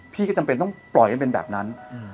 พี่ก็จำเป็นต้องปล่อยให้เป็นแบบนั้น